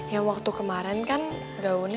yang waktu kemarin kan gaunnya